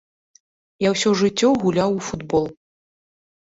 Я ўсё жыццё гуляў у футбол.